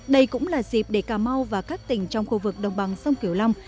đây cũng là dịp để cà mau và các tỉnh trong khu vực đồng bằng sông kiểu long